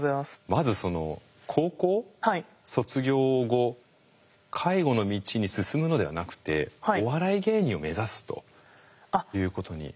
まずその高校卒業後介護の道に進むのではなくてお笑い芸人を目指すということに。